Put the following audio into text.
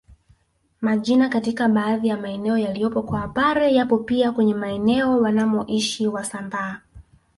Majina katika baadhi ya maeneo yaliyopo kwa Wapare yapo pia kwenye maeneo wanamoishi wasambaa